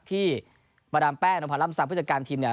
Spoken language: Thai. ที่บรรดาแป้งนมพลัมซัมผู้จัดการทีมเนี่ย